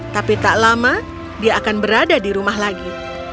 tapi tak lama dia akan berada di rumah lagi